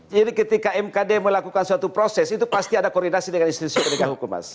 jadi ketika mkd melakukan suatu proses itu pasti ada koordinasi dengan institusi pendidikan